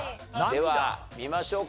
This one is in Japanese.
では見ましょうかね。